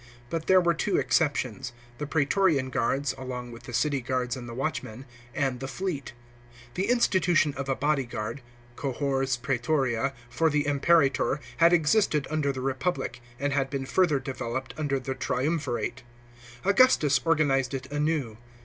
But there were two exceptions : the Praetorian guards (along with the City guards and the Watchmen) and the fleet. Tne institution of a body guard (cohors prsetoria) for the impe rator had existed under the Eepublic, and had been further developed under the triumvirate. Augustus organised it anew.